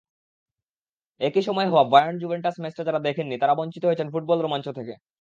একই সময়ে হওয়া বায়ার্ন-জুভেন্টাস ম্যাচটা যাঁরা দেখেননি, তাঁরা বঞ্চিত হয়েছেন ফুটবল-রোমাঞ্চ থেকে।